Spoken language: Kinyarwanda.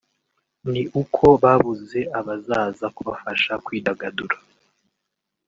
ni uko babuze abazaza kubafasha kwidagadura